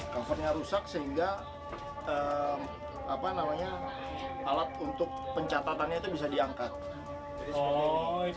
covernya rusak sehingga alat untuk pencatatannya itu bisa diangkat